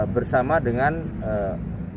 bersama dengan pemerintah